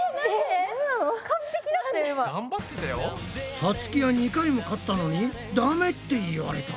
さつきは２回も勝ったのにダメって言われた。